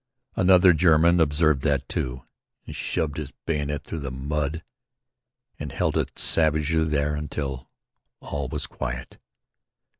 Another German observed that too, and shoved his bayonet through the mud and held it savagely there until all was quiet.